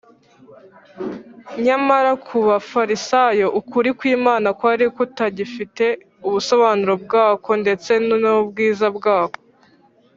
nyamara ku bafarisayo, ukuri kw’imana kwari kutagifite ubusobanuro bwako ndetse n’ubwiza bwako